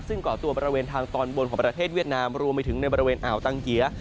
ซึ่งก่อตัวบริเวณทางตอนบนของประเทศเวียดนามรวมไปถึงในบริเวณอ่าวตังเกีย